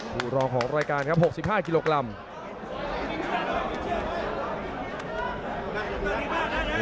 รองของรายการครับ๖๕กิโลกรัม